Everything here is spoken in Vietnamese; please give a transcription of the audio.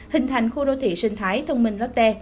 hình thành khu đô thị sinh thái thông minh lotte